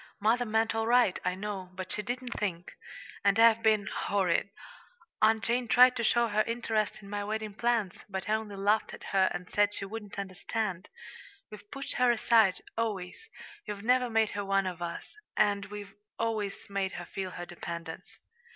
"Mother meant all right, I know, but she didn't think. And I've been horrid. Aunt Jane tried to show her interest in my wedding plans, but I only laughed at her and said she wouldn't understand. We've pushed her aside, always, we've never made her one of us; and we've always made her feel her dependence."